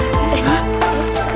eh odi kenapa